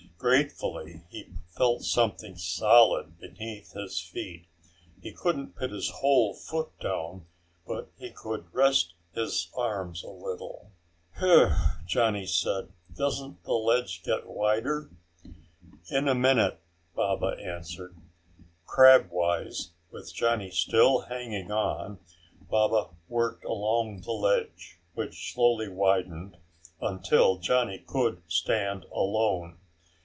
Gratefully he felt something solid beneath his feet. He couldn't put his whole foot down, but he could rest his arms a little. "Whew," Johnny said, "doesn't the ledge get wider?" "In a minute," Baba answered. Crabwise, with Johnny still hanging on, Baba worked along the ledge, which slowly widened until Johnny could stand alone.